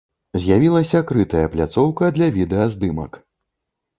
З'явілася крытая пляцоўка для відэаздымак.